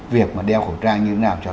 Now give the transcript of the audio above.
việc đeo khẩu trang như thế nào